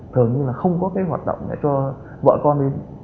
thường như không có hoạt động để cho vợ con